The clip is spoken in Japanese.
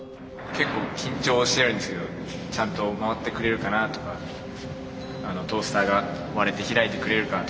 結構緊張してるんですけどちゃんと回ってくれるかなとかトースターが割れて開いてくれるかとか。